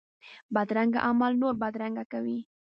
بدرنګه عمل نور بدرنګه کوي